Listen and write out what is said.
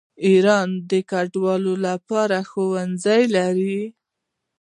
ایران د کډوالو لپاره ښوونځي لري.